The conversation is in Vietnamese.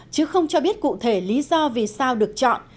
chứ không cho biết cụ thể lý do vì sao được chọn